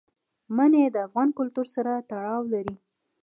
منی د افغان کلتور سره تړاو لري.